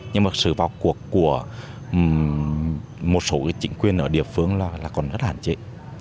nhưng mà sự vào cuộc của một số chính quyền ở địa phương là còn rất hạn chế